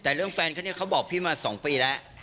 แต่เรื่องแฟนเขาเนี่ยเขาบอกพี่มา๒ปีแล้ว